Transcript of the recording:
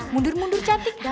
mundur mundur cantik